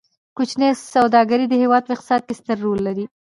کوچني سوداګر د هیواد په اقتصاد کې ستر رول لري.